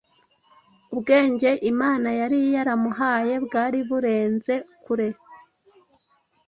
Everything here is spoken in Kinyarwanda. Ubwenge Imana yari yaramuhaye bwari burenze kure